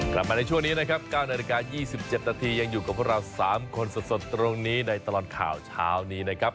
กลับมาในช่วงนี้นะครับ๙นาฬิกา๒๗นาทียังอยู่กับพวกเรา๓คนสดตรงนี้ในตลอดข่าวเช้านี้นะครับ